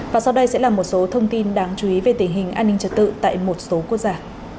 và sau đây sẽ là một số thông tin đáng chú ý về tình hình an ninh trật tự tại một số quốc gia